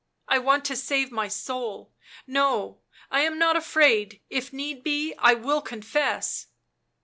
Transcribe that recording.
" I want to save my soul ; no, I am not afraid; if need be, I will confess."